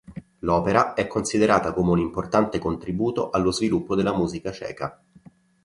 L'opera è considerata come un importante contributo allo sviluppo della musica ceca.